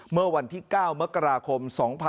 เมื่อวันที่๙มกราคม๒๕๖๒